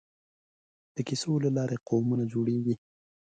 د کیسو له لارې قومونه جوړېږي.